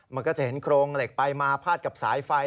มันก็จะเห็นโครงเหล็กไปมาพาดกับสายไฟ